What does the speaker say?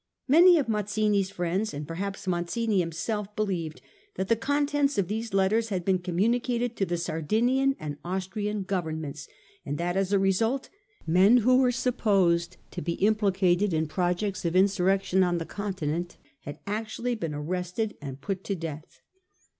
Many of Mazzini's friends, and perhaps Mazzini himself, believed that the con tents of these letters had been communicated to the Sardinian and Austrian Governments, and that as a result men who were supposed to be implicated in projects of insurrection on the Continent had actually been arrested and put to death.